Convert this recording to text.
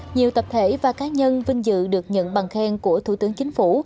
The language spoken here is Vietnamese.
nhiều tập thể và cá nhân vinh dự được nhận bằng khen của thủ tướng chính phủ